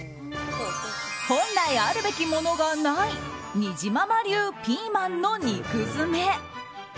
本来あるべきものがないにじまま流ピーマンの肉詰め。